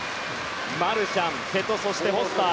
マルシャン、瀬戸そしてフォスター